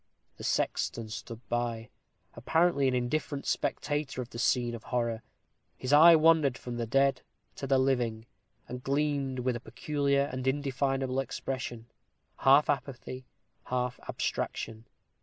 The sexton stood by, apparently an indifferent spectator of the scene of horror. His eye wandered from the dead to the living, and gleamed with a peculiar and indefinable expression, half apathy, half abstraction.